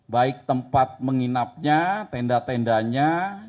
baik tempat menginapnya tenda tendanya